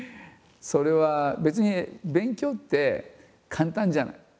それは別に勉強って簡単じゃない？